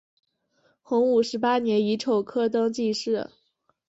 洪武十八年乙丑科登进士。